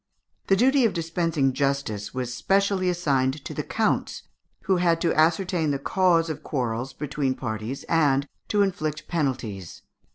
The duty of dispensing justice was specially assigned to the counts, who had to ascertain the cause of quarrels between parties and to inflict penalties.